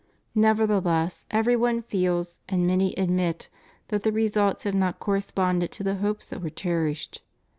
Nevertheless, every one feels and many admit that the results have not corresponded to the hopes that were cherished.